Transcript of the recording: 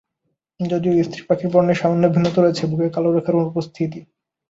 যদিও স্ত্রী পাখির বর্ণে সামান্য ভিন্নতা রয়েছে, বুকে কালো রেখার অনুপস্থিতি।